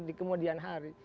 di kemudian hari